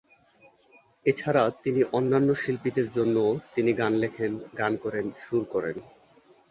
এছাড়া তিনি অন্যান্য শিল্পীদের জন্যও তিনি গান লেখেন, গান করেন, সুর করেন।